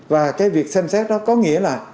và cái việc xem xét đó có nghĩa là